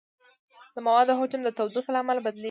د موادو حجم د تودوخې له امله بدلېږي.